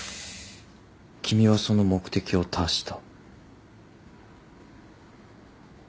「君はその目的を達した」